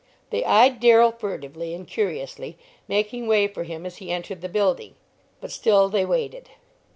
They eyed Darrell furtively and curiously, making way for him as he entered the building, but still they waited.